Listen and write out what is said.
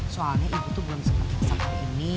soalnya ibu tuh belum sempet kasar hari ini